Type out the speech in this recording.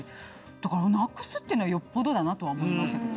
だからなくすっていうのはよっぽどだなとは思いましたけど。